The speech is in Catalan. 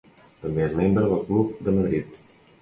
També és membre del Club de Madrid.